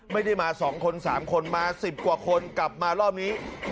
ไม่ได้มาสองคนสามคนมาสิบกว่าคนกลับมารอบนี้